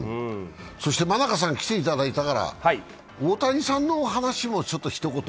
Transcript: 真中さんに来ていただいたから大谷さんのお話も一言。